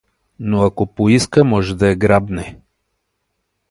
— Но ако поиска, може да я грабне.